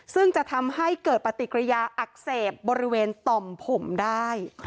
ซึ่งจะทำให้เกิดปฏิกิริยาอักเสบบริเวณต่อมผมได้